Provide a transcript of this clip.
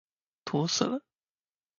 土死了！